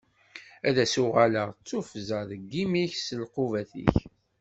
Ass-a uɣaleɣ d tufza deg imi-k s lqubat-ik.